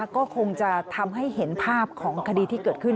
ก็คงจะทำให้เห็นภาพของคดีที่เกิดขึ้น